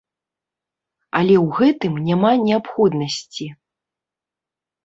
Але ў гэтым няма неабходнасці.